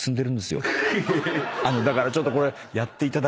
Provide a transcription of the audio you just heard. だからちょっとこれ。